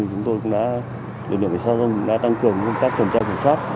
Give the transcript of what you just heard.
chúng tôi cũng đã tăng cường công tác cẩn trang kiểm soát